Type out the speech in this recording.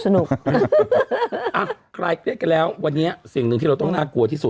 คลายเครียดกันแล้ววันนี้สิ่งหนึ่งที่เราต้องน่ากลัวที่สุด